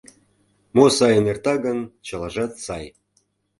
Мо сайын эрта гын, чылажат сай.